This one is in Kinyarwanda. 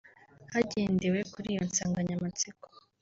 Hagendewe kuri iyo nsanganyamatsiko